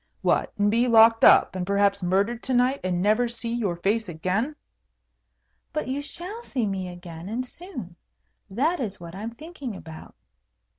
"What, and be locked up, and perhaps murdered to night, and never see your face again?" "But you shall see me again, and soon. That is what I am thinking about."